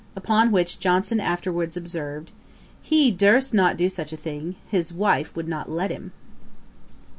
Upon which Johnson afterwards observed, 'He durst not do such a thing. His wife would not let him!'